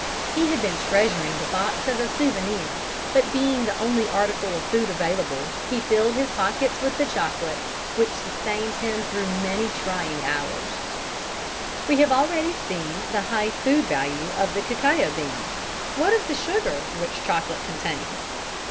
He had been treasuring the box as a souvenir, but being the only article of food available, he filled his pockets with the chocolate, which sustained him through many trying hours. See West India Committee Journal, p. 55, 1917. We have already seen the high food value of the cacao bean: what of the sugar which chocolate contains?